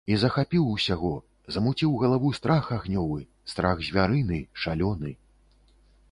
І захапіў усяго, замуціў галаву страх агнёвы, страх звярыны, шалёны.